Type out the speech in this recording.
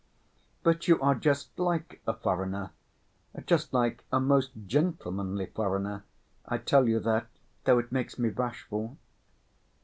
"But you are just like a foreigner—just like a most gentlemanly foreigner. I tell you that, though it makes me bashful."